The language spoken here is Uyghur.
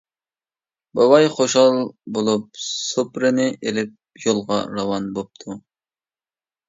بوۋاي خۇشال بولۇپ، سۇپرىنى ئېلىپ يولغا راۋان بوپتۇ.